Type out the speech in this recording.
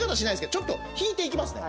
ちょっと引いていきますね。